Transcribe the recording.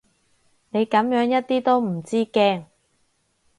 你噉樣一啲都唔知驚